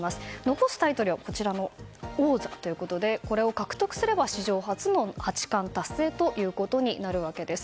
残すタイトルは王座ということでこれを獲得すれば史上初の八冠達成となるわけです。